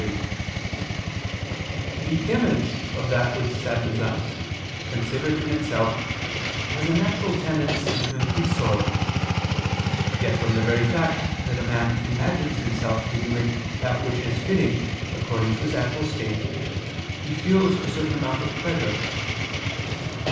3: The image of that which saddens us, considered in itself, has a natural tendency to increase sorrow: yet from the very fact that a man imagines himself to be doing that which is fitting according to his actual state, he feels a certain amount of pleasure.